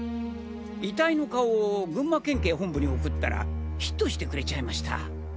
遺体の顔を群馬県警本部に送ったらヒットしてくれちゃいました。